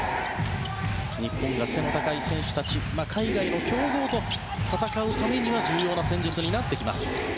日本が、背の高い選手たち海外の強豪と戦うためには重要な戦術になってきます。